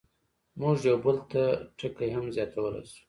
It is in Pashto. موږ یو بل ټکی هم زیاتولی شو.